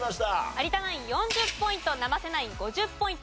有田ナイン４０ポイント生瀬ナイン５０ポイント。